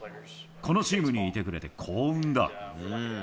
このチームにいてくれて幸運だ。